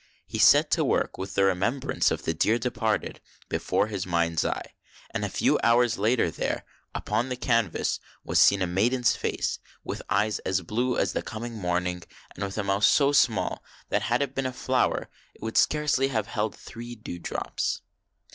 He set to work, with the remembrance of the "dear departed" before his mind's eye; and a few hours later there, upon the canvas, was seen a maiden's face, with eyes as blue as the coming morning and with a mouth so small that, had it been a flower, it would scarcely have held three dewdrops.